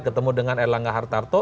ketemu dengan erlangga hartarto